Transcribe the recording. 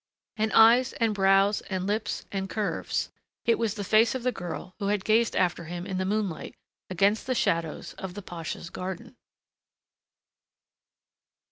And eyes and brows and lips and curves, it was the face of the girl who had gazed after him in the moonlight against the shadows of the pasha's garden.